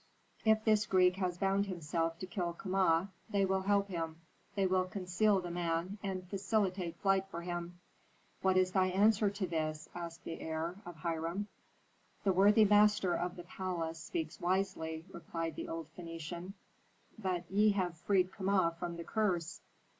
If this Greek has bound himself to kill Kama, they will help him, they will conceal the man, and facilitate flight for him." "What is thy answer to this?" asked the heir of Hiram. "The worthy master of the palace speaks wisely," replied the old Phœnician. "But ye have freed Kama from the curse."